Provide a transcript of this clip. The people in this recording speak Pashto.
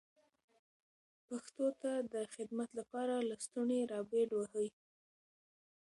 پښتو ته د خدمت لپاره لستوڼي را بډ وهئ.